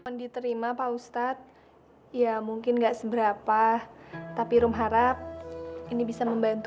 yang diterima pak ustadz ya mungkin enggak seberapa tapi rum harap ini bisa membantu